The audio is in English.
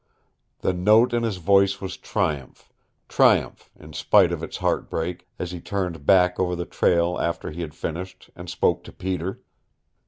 The note in his voice was triumph triumph in spite of its heartbreak as he turned back over the trail after he had finished, and spoke to Peter.